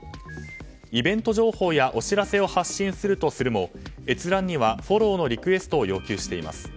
イベント情報やお知らせを発信するとするも閲覧にはフォローのリクエストを要求しています。